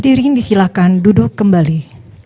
hadirin disilakan duduk kembali